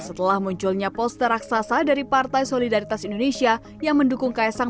setelah munculnya poster raksasa dari partai solidaritas indonesia yang mendukung kaisang